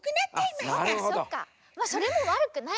まあそれもわるくない。